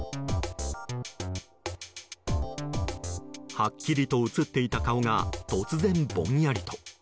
はっきりと映っていた顔が突然ぼんやりと。